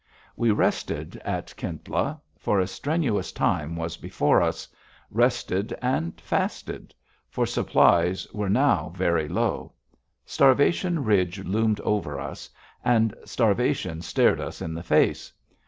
We rested at Kintla, for a strenuous time was before us, rested and fasted. For supplies were now very low. Starvation Ridge loomed over us, and starvation stared us in the face.